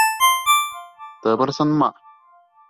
Тыпырсынма!